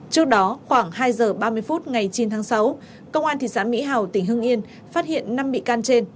trước đó khoảng hai giờ ba mươi phút ngày chín tháng sáu công an thị xã mỹ hào tỉnh hưng yên phát hiện năm bị can trên